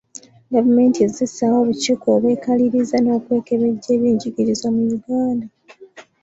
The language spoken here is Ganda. Gavumenti ezze essaawo obukiiko obwekaliriza n’okwekebejja ebyenjigiriza mu Uganda